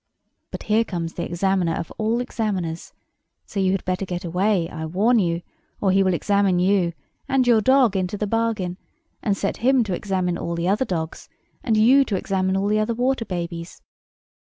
But here comes the Examiner of all Examiners. So you had better get away, I warn you, or he will examine you and your dog into the bargain, and set him to examine all the other dogs, and you to examine all the other water babies.